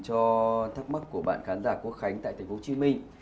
cho thắc mắc của bạn khán giả quốc khánh tại thành phố hồ chí minh